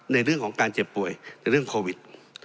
ในเรื่องของการเจ็บป่วยในเรื่องโควิด